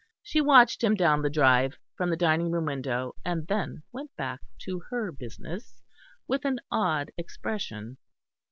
She watched him down the drive from the dining room window and then went back to her business with an odd expression.